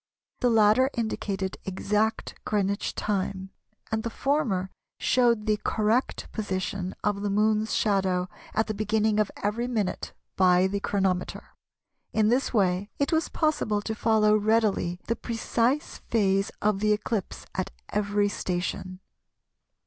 The latter indicated exact Greenwich time, and the former showed the correct position of the Moon's shadow at the beginning of every minute by the chronometer. In this way it was possible to follow readily the precise phase of the eclipse at every station.